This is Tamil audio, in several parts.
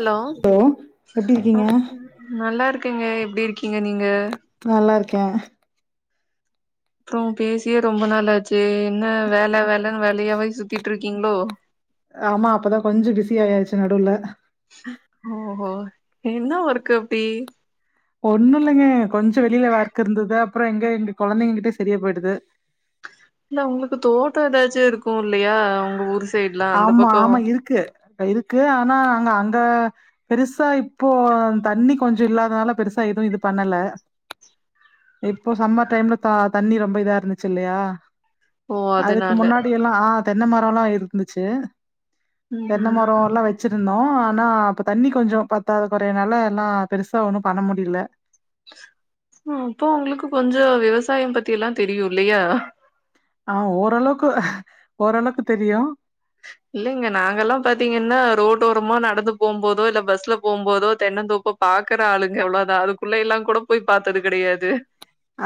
ஹலோ எப்டி இருக்கீங்க நல்லாருக்கங்க எ எப்டி இருக்கீங்க நீங்க நல்லாருக்கே அப்றோ பேசியே ரொம்ப நாளாச்சே என்ன வேல வேலன்னு வேலயாவே சுத்திட்ருக்கிங்ளோ ஆமா அப்பதா கொஞ்ச பிஸி ஆயாச்சு நடுவுல ஓஹோ என்ன ஒர்க்கு அப்டி ஒண்ணு இல்லைங்க கொஞ்ச வெளியில வொர்க் இருந்துது அப்புற எங்க இங்க கொழந்தைங்க கிட்ட சரியா போயிடுது இல்ல உங்களுக்கு தோட்ட எதாச்சு இருக்கு இல்லையா உங்க ஊரு ஆமா ஆமா இருக்கு இருக்கு ஆனா நாங்க அ ங்க பெருசா இப்போ தண்ணி கொஞ்ச இல்லாதனால பெருசா எது இது பண்ணல இப்ப சம்மர் டைம்ல தா தண்ணி ரொம்ப இதா இருந்துச்சு இல்லையா ஓ அதுக்கு அதனால முன்னாடி எல்லா ஆ தெ ன்ன மரல்லா இரு துச்சு ம் தென்ன மரோல்லா வச்சிருந்தோ ஆனா அப்ப தண்ணி கொஞ்சொ பத்தாத கொறையனால எல்லா பெருசா ஒண்ணும் பண்ண முடில அ அப்போ உங்களுக்கு கொஞ்சொ விவசாயம் பத்தி எல்லா தெரியு இல்லையா ஆ ஓரளவுக்கு ஓரளவுக்கு தெரியு இல்லைங்க நாங்கல்லாம் பாத்தீங்கன்னா ரோட்டோரமா நடந்து போம் போதோ இல்ல பஸ்ல போம்போதோ தென்னந்தோப்ப பாக்குற ஆளுங்க அவ்ளோதா அதுக்குள்ளேயெல்லா கூட போய் பாத்தது கடையாது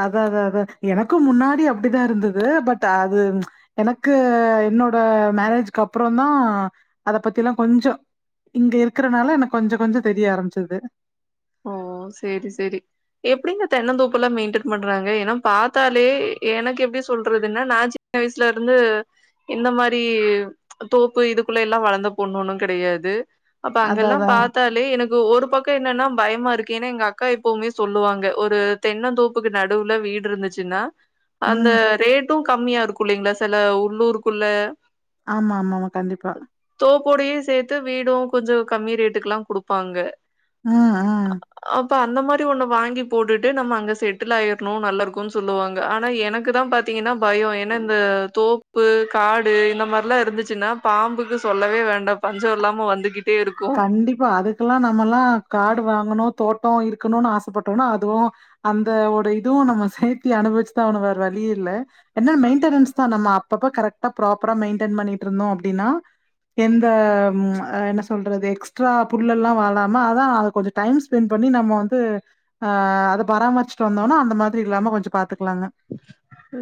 அதா அதா அதா எனக்கு முன்னாடி அப்டிதா இருந்தது பட் அது எனக்கு என்னோட மேரேஜ்கு அப்றொந்தா அதப் பத்தில்லா கொஞ்சொ இங்க இருக்குறனால எனக்கு கொஞ்சக் கொஞ்சொ தெரிய ஆரம்பிச்சது ஓ சேரி சேரி எப்டி இந்த தென்னந் தோப்புல்லா மெயின்டென் பண்றாங்க ஏன்னா பாத்தாலே எனக்கு எப்டி சொல்றதுன்னா நா சின்ன வயசுலருந்து இந்த மாரி தோப்பு இதுக்குள்ளேல்லா வளந்த பொண்ணொன்னுங் கடையாது அப்ப அதா அங்கல்லாம் அதா பாத்தாலே எனக்கு ஒரு பக்கொ என்னன்னா பயமா இருக்கு ஏன்னா எங்க அக்கா எப்பவ்மே சொல்லுவாங்க ஒரு தென்னந்தோப்புக்கு நடுவுல வீடு இருந்துச்சுன்னா அந்த ம் ரேட் டு கம்மியா இருக்கு இல்லலைங்களா சில உள்ளூருக்குள்ள ஆமாமா கண்டிப்பா தோப்பபோடையே சேத்து வீடு கொஞ்சோ கம்மி ரேட்டுக்கெல்லா குடுப்பாங்க ம் அ ப அந்த மாரி ஒன்ன வாங்கி போட்டுட்டு நம்ம அங்க செட்டில் ஆயிர்ணு நல்லா இருக்குன் சொல்லுவாங்க ஆனா எனக்கு தா பாத்தீங்கன்னா பயோ ஏனா இந்த தோப்பு காடு இந்த மாரிலா இருந்துச்சுன்னா பாம்புக்கு சொல்லவே வேண்டா பஞ்ச இல்லாம வந்துகிட் கண்டிப்பா அதுக்கெல்லா நம்மல்லா கா டுவாங்கனு தோட்டோ இருக்கணு ஆசப்பட்டோம்னா அதுவு அந்த ஒரு இதுவு நம்ம சேத்தி அனுபவிச்சுதா ஆகனு வேற வழியில்ல என்ன மெயின்டனன்ஸ்தா அப்பப்ப கரட்டா ப்ராப்பரா மெயின்டைன் பண்ணிட்டருந்தோ அப்படின்னா எந்த ம் என்ன சொல்றது எக்ஸ்ட்ரா புல்லெல்லா வளாம அதா அத கொஞ்ச டைம் ஸ்பென் பண்ணி நம்ம வந்து அஹ் அத பராமரிச்சுட்டு வந்தோனா அந்த மாதிரி இல்லாம கொஞ்ச பாத்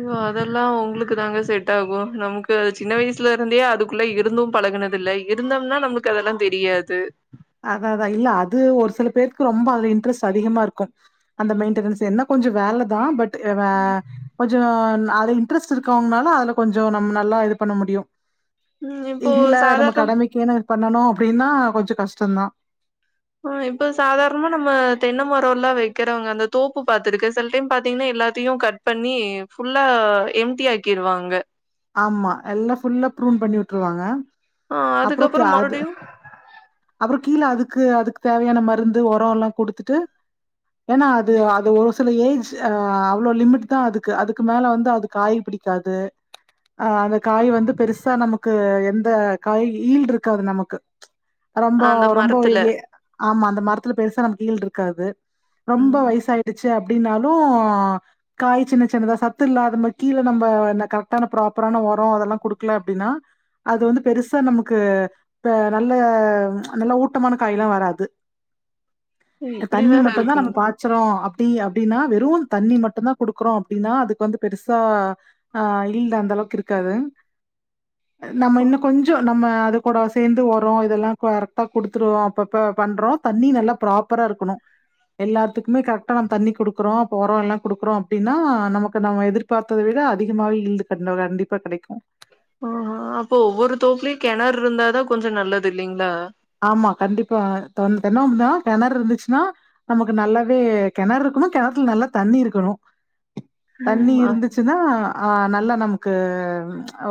ஓ அதெல்லா உங்களுக்கு தாங்க செட் டாகு நமக்கு சின்ன வயசுல இருந்தே அதுக்குள்ள இருந்து பழகுனதில்ல இருந்தம்னா நமக்கு அதெல்லா தெ ரியாது அத அதா இல்ல அது ஒரு சில பேருக்கு ரொம்ப அது இன்ட்ரெஸ்ட் அதிகமா இருக்கும் அந்த மெயின்டெனன்ஸ் என்ன கொஞ்ச வேலதா பட் இத வே கொஞ்சோ அது இன்ட்ரெஸ்ட் இருக்கவங்கனால அதுல கொஞ்ச நம்ம நல்லா இது பண்ண முடியு ம் இப்போ இல்ல நம்ம சாதாரணம் கடமைக்குனு பண்ணணு அப்படின்னா கொஞ்ச கஷ் டந்தா ஆஹ் இப்ப சாதாரணமா நம்ம தென்ன மரல்லா வெக்கிறவங்க அந்த தோப்பு பாத்துருக்கே சில டைம் பாத்தீங்கன்னா எல்லாத்தையு கட் பண்ணி ஃபுல்லா எம்டி ஆக்கிருவாங்க ஆமா எல்லா ஃபுல்லா ப்ரூம் பண்ணி விட்ருவாங்க ஆஹ் அதுக்கப்புற மறுபடியு கீழே அதுக்கு அதுக்கு தேவையான மருந்து உரம் எல்லா குடுத்துட்டு ஏனா அது அது ஒரு சில ஏஜ் அ அவ்ளோ லிமிட் தா அதுக்கு அதுக்கு மேல வந்து அது காய் பிடிக்காது ஆஹ் அந்த காய் வந்து பெருசா நமக்கு அந்த காய் ஹீல்ட்ருக்காது நமக்கு ரொம்ப அந்த ரொம்ப மரத்துல ஏ ஆமா அந்த மரத்துல பெருசா நமக்கு ஹீல்ட்ருக்காது ரொம்ப ம் வயசாயிடுச்சு அ ப்படின்னாலு காய் சின்ன சின்னதா சத்து இல்ல அ மாரி கீழே நம்ம என்ன க ரட்டான ப்ராப்பரான ஒரோ அதெல்லா குடுக்கல அப்படின்னா அது வந்து பெருசா நமக்கு நல்ல நல்ல ஊட்டமான காய் எல்லா வராது இப்டி தண்ணி வேற மட்டுதா நம்ம இருக்குங்க பாச்சறோ அப்ப டி அப்டின்னா வெறு தண்ணி மட்டு தா குடுக்குறோ அப்டின்னா அதுக்கு வந்து பெருசா ஆஹ் ஹீல்ட் அந்தளவுக்கு இருக்காது நம்ம இன்னு கொஞ்ச நம்ம அது கூட சேந்து ஓரோ இதெல்லா கரெக்டா குடுத்துருவோ அப்பப்ப பண்றோ தண்ணி நல்லா ப்ராப்பர இருக்கணு எல்லாத்துக்குமே கரெக்டா நம்ம தண்ணி குடுக்கறோ அப்பே ஒரோ எல்லா குடுக்குறோ அப்படின்னா நமக்கு நம்ம எதிர்பாத்தத விட அதிகமாகவே ஹீல்டு கண்ட கண்டிப்பா கெடைக்கும் ஆ அப்போ ஒவ்வொரு தோப்லியும் கெணறு இருந்தாதா கொஞ்சோ நல்லது இல்லிங்களா ஆமா கண்டிப்பா த தென்னம் தா கெணறு இருந்துச்சுன்னா நமக்கு நல்லாவே கெணறு இருக்கணு கெணத்துல நல்லா தண்ணி இருக்கணு தண்ணி ம் இருந்துச்சுன்னா ஆ நல்லா நமக்கு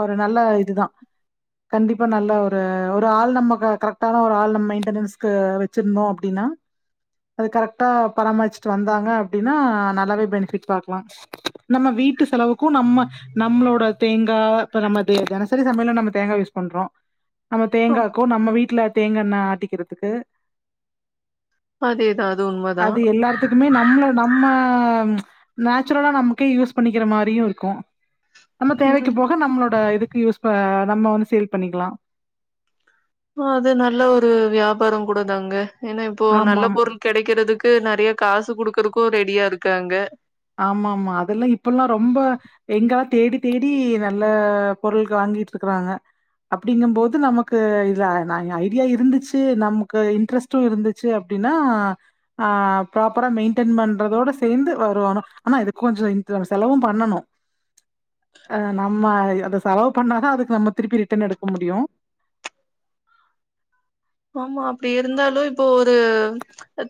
ஒரு நல்ல இதுதா கண்டிப்பா நல்ல ஒரு ஒரு ஆள் நமக்கு கரெக்ட் ஒரு ஆள் நம்ம மெய்டணஸ்க்கு வச்சிருந்தோம் அப்டின்னா அது கரெக்டா பராமரிச்சுட்டு வந்தாங்க அப்டினா நல்லாவே பெனிஃபிட்ஸ் பாக்கலா நம்ம வீட் வீட்டு செலவுக்கும் நம்ம நம்மளோட தேங்கா இப்ப நம்ம தி தென சரி சமையல்ல நம்ம தேங்கா யூஸ் பண்றோம் நம்ம தேங்காக்கு நம்ம வீட் எல்லா தேங்காண்ண ஆட்டிக்கிறதுக்கு அதே தான் அது எல்லார்த்துக்குமே நம்மள நம்ம ஆ நேச்சுரலா நமக்கே யூஸ் பண்ணிக்கிற மாரியும் இருக்கும் நம்ம ம் தேவைக்கு போக நம்மளோட இதுக்கு யூஸ் ஆ நம்ம வந்து சேல் பண்ணிக்கலாம் அது நல்ல ஒரு வியாபாரம் கூட தாங்க ஏன்னா இப்போ நல்ல ஆமாமா. பொருள் கெடைக்கிறதுக்கு நெறைய காசு குடுக்குறக்கு ரெடியா இருக்காங்க ஆமாமா அதெல்லா இப்பல்லா ரொம்ப எங்கெல்லா தேடி தேடி நல்ல பொருள் வாங்கீட்ருக்குறாங்க அப்டிங்கும் போது நமக்கு இதுல நா ஐடியா இருந்துச்சு நமக்கு இன்ட்ரஸ்ட்டு இருந்துச்சு அப்டின்னா ஆ ப்ராப்பரா மெயின்டன் பண்றதோட சேந்து வரும் ஆனா ஆனா இது கொஞ்சோ செலவும் பண்ணணு அ நம்ம அத செலவு பண்ணாதா அதுக்கு நம்ம திருப்பி ரிட்டன் எடுக்க முடியு ஆமா அப்டி இருந்தாலு இப்போ ஒரு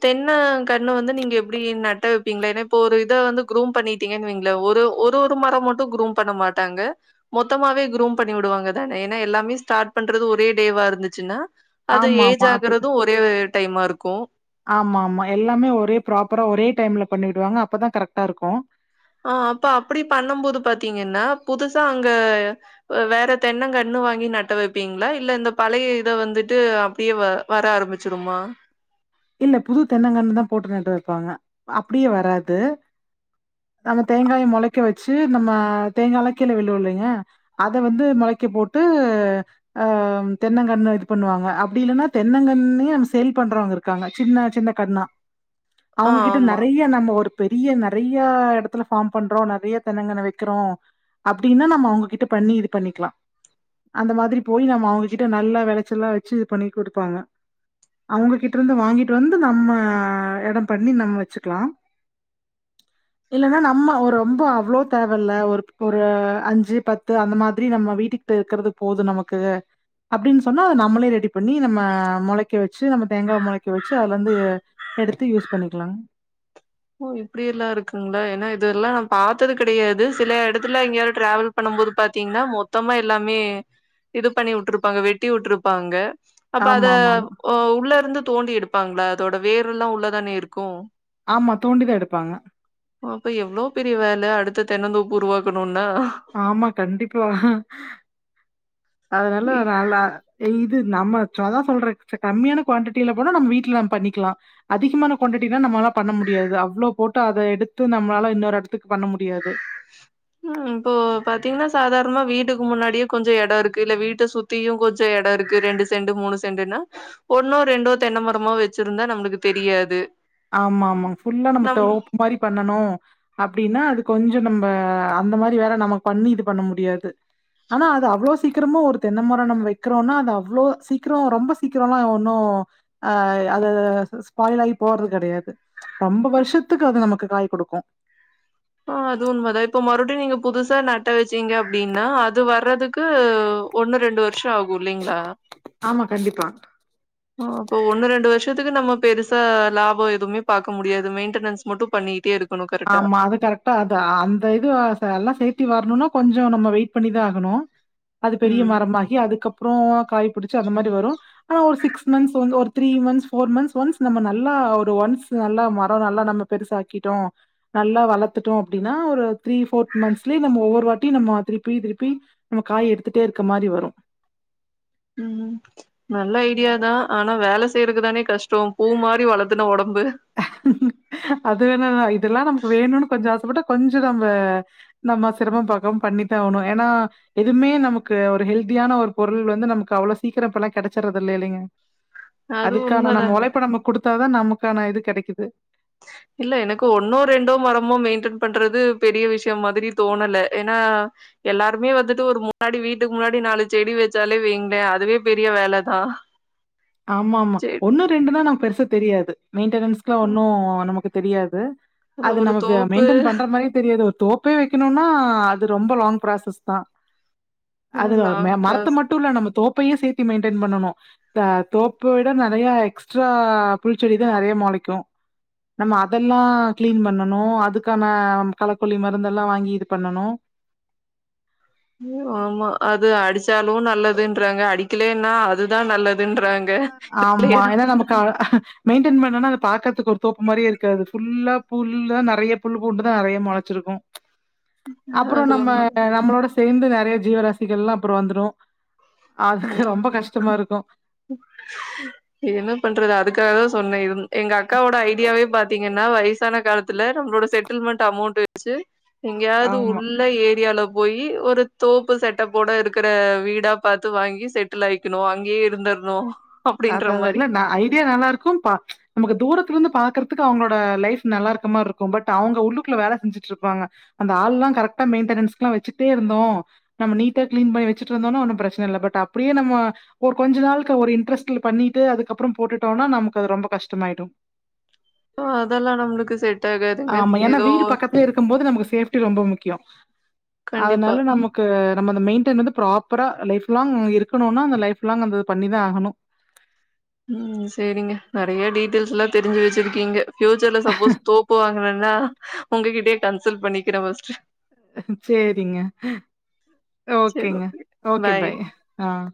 தென்ன கண்ணு வந்து நீங்க எப்டி நட்டு வெப்பீங்க ஏன்னா இப்போ ஒரு இத வந்து க்ரூம் பண்ணிட்டீங்கனு வைங்களே ஒரு ஒரு ஒரு மரோ மட்டும் க்ரூம் பண்ண மாட்டாங்க மொத்தமாவே க்ரூம் பண்ணி விடுவாங்கதானே ஏன்னா எல்லாமே ஸ்டார்ட் பண்றது ஒரே டேவா இருந்துச்சுன்னா அது ஏஜ் ஆமாமா. ஆகறதும் ஒரே டைமா இருக் கூ ஆமா ஆமா எல்லாமே ஒரே ப்ராப்பரா ஒரே டைம்ல பண்ணி விடுவாங்க அப்பதா கரெக்ட்டா இருக்கும் ஆ அப்ப அப்டி பண்ணம்போது பாத்தீங்கன்னா புதுசா அங்க வேற தென்னங்கண்ணு வாங்கி நட்டு வெப்பீங்களா இல்ல இந்த பழய இத வந்துட்டு அப்டியே வ வர ஆரம்பிச்சிடுமா இல்ல புது தென்னங்கண்ணுதா போட்டு நட்டு வெப்பாங்க அப்டியே வராது நம்ம தேங்காய மொளைக்க வச்சு நம்ம தேங்கால்லா கீழ விழும் இல்லைங்க அத வந்து மொளைக்க போட்டு ஆ தென்னங்கண்ணு இது பண்ணுவாங்க அப்டி இல்லேன்னா தென்னங்கண்ணே சேல் பண்றவங்க இருக் க்காங்க சின்ன சின்ன கண்ணா ஆ அவங்ககிட்ட ஆமா நெறைய நம்ம ஒர் பெரிய நெறையா எடத்துல ஃபார்ம் பண்றோ நெறைய தென்னங்கண்ண வைக்கிறோ அப்டினா நம்ம அவங்ககிட்ட பண்ணி இது பண்ணிக்லா அந்த மாதிரி போய் நம்ம அவங்ககிட்ட நல்ல வெளைச்சலா வச்சு இது பண்ணி குடுப்பாங்க அவுங்ககிட் டிருந்து வாங்கிட்டு வந்து நம்ம எடம் பண்ணி நம்ம வெச்சுக்லா இல்லேன்னா நம்ம ஒர் ரொம்ப அவ்ளோ தேவல்ல ஒரு ஒரு அஞ்சு பத்து அந்த மாதிரி நம்ம வீட்டுக்கிட்ட இருக்கறது போது நமக்கு அப்டின்னு சொன்னா நம்மளே ரெடி பண்ணி நம்ம மொளைக்க வச்சு நம்ம தேங்கா மொளைக்க வச்சு அதுலந்து எடுத்து யூஸ் பண்ணிக்லா ஓ இப்டி எல்லா இருக்குங்ளா ஏனா இதுல்லா நா பாத்தது கெடயாது சில எடத்துல எங்கயாது டிராவல் பண்ணம் போது பாத்தீங்ன்னா மொத்தமா எல்லாமே இது பண்ணி வுட்ருப்பாங்க வெட்டி வுட்ருப்பாங்க. அப்ப அத ஆமா, ஆமா, ஆமா. ஆ உள்ளருந்து தோண்டி எடுப்பாங்ளா அதோட வேருல்லா உள்ளதானே இருக்கு ஆமா, தோண்டி தான் எடுப்பாங்க. அப்ப எவ்ளோ பெரிய வேல அடுத் த தென்னந்தோப்பு உருவாக்கணுன் ஆமா கண்டிப்பா அதனால நல்லா இது நம்ம சொதா ஃபோல்ட் கு கம்மியான குவாண்டிட்டீல போனா நம்ம வீட்ல நம்ம பண்ணிக்லா. அதிகமான குவாண்டிட்டீனா நம்ளாள பண்ண முடியாது அவ்ளோ போட்டு அத எடுத்து நம்ளால இன்னோரு எடத்துக் பண்ண முடியாது. ம் இப்போ பாத்தீங்ன்னா சாதாரமா வீட்டுக்கு முன்னாடியே கொஞ்சோ எடோ இருக்கு இல்ல வீட்ட சுத்தியு கொஞ்சோ எடோ இருக்கு. ரெண்டு செண்டு மூணு செண்டுன்னா ஒன்னோ ரெண்டோ தென்னமரமோ வெச்சிருந்தா நம்ளுக்கு தெரியாது. ஆமா ஆமா ஃபுல்லா நம்ம நம் தோப் மாரி பண்ணனூ அப்டின்னா அது கொஞ்சோ நம் ப அந்த மாரி வேல நம பண்ணி இது பண்ண முடியாது ஆனா அது அவ்ளோ சீக்கிரமு ஒரு தென்ன மரோ நம் வைக்றோனா அது அவ்ளோ சீக்ரோ ரொம்ப சீக்ரோல்லா ஒன்னு ஆ அதத ஸ்பாய்லாய் போறது கடையாது ரொம்ப வர்ஷத்துக்கு அது நமக்கு காய் குடுக்கு ஆ அது உண்மதா இப்போ மறுவ்டியு நீங்க புதுசா நட்ட வெச்சீங்க அப்டின்னா அது வர்றதுக்கு ஒண்ணு ரெண்டு வர் ஷொ ஆகு இல்லேங்ளா ஆமா, கண்டிப்பா. அப்போ ஒன்னு ரெண்டு வர் ஷத்துக்கு நம்ம பெருசா லாபோ எதுமே பாக்க முடியாது மெய்ன்டனன்ஸ் மட்டு பண்ணியிட்டே இருக் ஆமா அது கரெக் ட்டா அத அ அந்த இது ஆ எல்லா சேத்தி வர்ணுனா கொஞ்சோ நம்ம வெயிட் பண்ணிதா ஆகணு அது பெரிய ம். மரமாகி அதுக்கப் ப்றோ காய் புடிச்சி அந்த மாரி வரு ஆனா ஒரு சிக்ஸ் மன்த்ஸ் வந்து ஒரு three months four months once நம்ம நல்லா ஒரு ஒன்ஸ் நல்லா மரோ நல்லா நம்ம பெருசாக்கிட்டோ நல்லா வளத்துட்டோ அப்டீனா ஒரு த்ரீ ஃபோர்த் மன்த்ஸ்லே நம்ம ஒவ்வொரு வாட்டி நம்மொ திருப்பி திருப்பி நம்ம காய் எடுத்துட்டே இருக்க மாரி வரு ம் நல்ல ஐடியாதா ஆனா வேல செய்றக்குதானே கஷ்டோ பூ மாரி வளத்துன ஒடம்பு அது வேணாத இதெல்லா நமக் வேணூனு கொஞ்சோ ஆசப்பட்டா கொஞ்சொ நம்ப நம்ம சிரமம் பாக்காம் பண்ணித்தா ஆவ்ணு ஏனா எதுமே நமக்கு ஒரு ஹெல்தியான ஒரு பொருள் வந்து நமக்கு அவ்ளோ சீக்ரோ இப்பல்லா கெடச்சிர்றதில்லே இல்லேங்க அது அதுக்கான நம்ம உண்மதாங்க. உழைப்ப நம்ம குடுத்தாதா நமக் க்கான இது கெடைக் கிது இல்ல எனக்கு ஒன்னோ ரெண்டோ மரமோ மெயின்டென் பண்றது பெரிய விஷயம் மாதிரி தோணல ஏன்னா எல்லாருமே வந்துட்டு ஒரு முன்னாடி வீட்டுக்கு முன்னாடி நாலு செடி வெச்சாலே வைங்ளே அதுவே பெரிய வேலதா ஆமாமா ஒண்ணோ ரெண்டுன்னா நம் பெருசா தெரியாது மெயின்டெனன்ஸ்க்லா அ ஒன்னு நமக்கு தெரியாது அது அதான் ஒரு நமக்கு தோப்பு மெயின்டைன் பண்ற மாரியே தெரியாது ஒரு தோப்பே வெக்கெணுமன்னா அது ரொம்ப லாங் ப்ராசஸ்தா அது ஆ ம லாங் கிராஸ் மரத்த மட்டுல்ல நம்ம தோப்பையு சேத் டி மெயின்டென் பண்ணனு த தோப்ப விட நறைய எக்ஸ்ட்ரா புல் செடிதா நறைய மொளைக்கு நம்ம அதெல்லா க்ளீன் பண்ணணு அதுக்கான களக்கொல்லி மருந்தெல்லா வாங்கி இது பண்ணணு ம் ஆமா அது அடிச்சாலு நல்லதுன்றாங்க அடிக்கெலேன்னா அதுதா நல்லதுன்றாங் ஆமா ஏன்னா நமக்கு ஆ மெயின்டென் பண்ணனா பாக்கற்த்துக்கு ஒரு தோப்பு மாரியே இருக்காது ஃபுல்லா புல்லா நறைய புல் பூண்டுதா நறைய மொளச்சிருக்கு அப்பறொ அது நம்ம உண்மதா. நம்மளோட ஸ் சேந்து நறைய ஜீவராசிகள்லா அப்பறொ வந்த்ரு அத்க்கு ம் ரொம்ப கஷ்டமா இருக்கு என்ன பண்றது அதுக்காகதா சொன்ன இருந் எங்க அக்காவோட ஐடியாவே பாத்தீங்கன் நா வயசான காலத் துல நமளோட செட்டில்மண்ட் அமௌண்ட் சு எங்கேயாவது ஆமா. உள்ள ஏரியால போய் ஒரு தோப்பு செட்டப்போட இருக்கற வீடா பாத்து த்து வாங்கி செட்டில் ஆயிக்கணு அங்கேயே இருந்தர்ணு அதாதா இல்ல ஐடியா நல்லா இருக்கு பா நமக்கு தூரத்துலேந்து பாக்குறக் த்துக்கு அவ்ங்களோட லைஃப் நல்லா இருக்க மாற் இருக்கு பட் அவுங்க உள்ளுக்குள்ள வேல செஞ்சுட்ருப்பாங்க அந்த ஆள்லா கரெக்ட்டா மெய்ன்டெனென்ஸ்க்லா வெச்சிக்ட்டே இருந்தோ நம்ம நீட்டா க்ளீன் பண்ணி வெச்சுட்ருந்தோன்னா ஒன்னு ப்ரச்சன இல்ல பட் அப்டியே நம்ம ஒரு கொஞ்ச நாள்க்கு ஒரு இன்ரெஸ்ட் ட்ல பண்ணிட்டு அதுக்கப்றம் போட்டுட்டோன்னா நமக்கு அது ரொம்ப கஷ்டமாயிடு அதெல்லா நம்மளுக்கு செட் ஆகாதுங்க. ஆமா ஏன்னா ஏதோ வீடு பக்கத்லயே இருக்கும்போது நமக்கு சேஃப்டி ரொம்ப முக் க்கியொ கண்டிப்பா. அதனால நமக்கு நம்ம அந்த மெயின்டைன் வந்து ப்ராப்பரா லைஃப் லாங் இருக்கணுன்னா அந்த லைஃப் லாங் அத பண்ணிதா ஆகணு ம் செரிங்க நெறையா டீட்டெயில்ஸ்லா தெரிஞ்சு வெச்சிருக்கிங்க ப்யூச்சர்ல சப்போஸ் தோப்பு வாங்கர நா உங்ககிட்டயே கன்சல்ட் பண்ணிக்கறே ஃபஸ்ட்டு சேரிங்க சேரி ஓகேங்க ஓகே ஓகே பாய் ஆஹ்